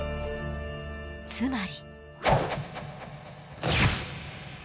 つまり。